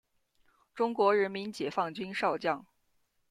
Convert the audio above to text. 中国人民解放军少将。